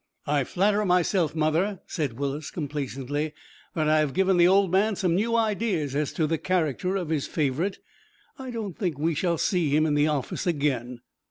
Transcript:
"I flatter myself, mother," said Willis, complacently, "that I have given the old man some new ideas as to the character of his favorite. I don't think we shall see him in the office again."